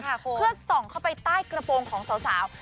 เพื่อส่องเข้าไปใต้กระโปรงของสาว